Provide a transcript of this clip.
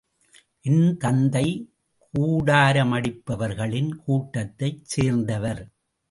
என் தந்தை கூடாரமடிப்பவர்களின் கூட்டத்தைச் சேர்ந்தவர்.